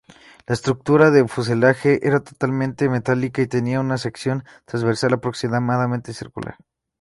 La estructura de fuselaje era totalmente metálica y tenía una sección transversal aproximadamente circular.